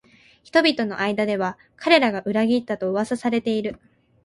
人々の間では彼らが裏切ったと噂されている